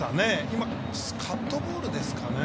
今、カットボールですかね。